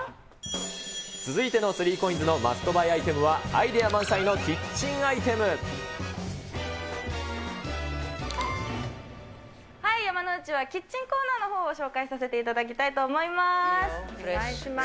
続いての３コインズのマストバイアイテムは、アイデア満載のはい、山之内はキッチンコーナーのほうを紹介させていただきたいと思いお願いします。